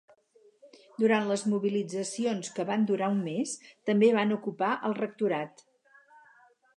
Durant les mobilitzacions, que van durar un mes, també van ocupar el rectorat.